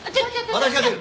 私が出る。